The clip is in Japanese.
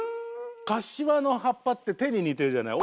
かしわの葉っぱって手に似てるじゃない。